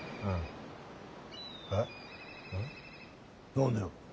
何だよ。